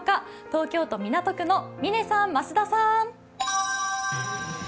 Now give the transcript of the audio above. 東京都港区の嶺さん、増田さん。